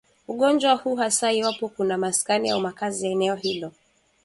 ugonjwa huu hasa iwapo kuna maskani au makazi yao eneo hilo